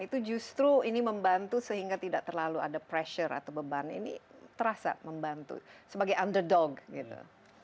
itu justru ini membantu sehingga tidak terlalu ada pressure atau beban ini terasa membantu sebagai underdog gitu